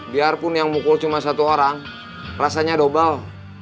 biarpun yang mukul cuma satu orang rasanya dobel